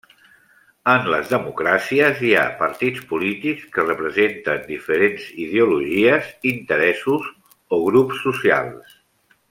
En les democràcies hi ha partits polítics que representen diferents ideologies, interessos o grups socials.